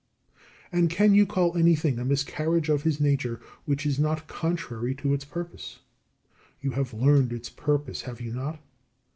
And can you call anything a miscarriage of his nature which is not contrary to its purpose? You have learned its purpose, have you not?